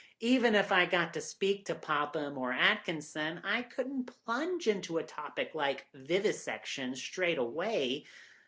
Even if I got to speak to Popham or Atkinson I couldn't plunge into a topic like vivisection straight away.